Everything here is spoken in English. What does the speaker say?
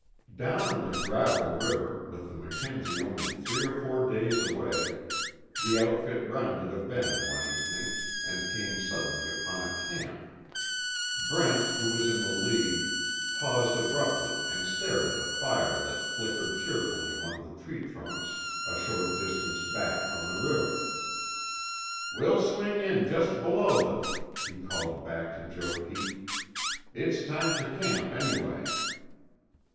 Down on the Gravel River, with the Mackenzie only three or four days away, the outfit rounded a bend one evening and came suddenly upon a camp. Brent, who was in the lead, paused abruptly and stared at the fire that flickered cheerfully among the tree trunks a short distance back from the river. "We'll swing in just below them," he called back to Joe Pete, "It's time to camp anyway."